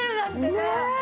ねえ。